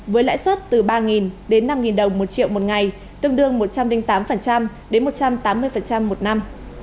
với lãi suất từ ba đến năm đồng một triệu một ngày tương đương một trăm linh tám đến một trăm tám mươi một năm